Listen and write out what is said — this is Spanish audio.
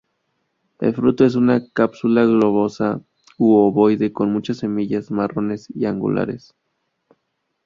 El fruto es una cápsula globosa u ovoide con mucha semillas marrones y angulares.